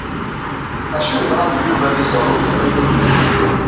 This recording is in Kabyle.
Acu yeḍṛan d Yuba di Iẓerruden?